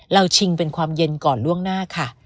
ชิงเป็นความเย็นก่อนล่วงหน้าค่ะ